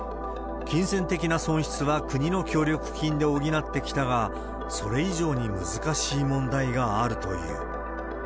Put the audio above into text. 金銭的な損失は国の協力金で補ってきたが、それ以上に難しい問題があるという。